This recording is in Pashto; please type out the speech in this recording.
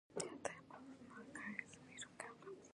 تر څو درد ومنل نه شي، درمل نشته.